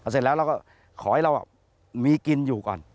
เสร็จแล้วเราก็ขอให้เรามีกินอยู่ก่อน